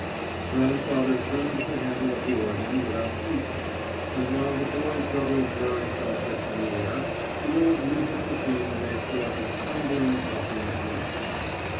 Grandfather turned the handle of the organ without ceasing, and whilst the boy juggled various objects in the air the old music machine gave forth its trembling, coughing tunes.